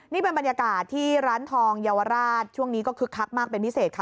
นี่เป็นบรรยากาศที่ร้านทองเยาวราชช่วงนี้ก็คึกคักมากเป็นพิเศษค่ะ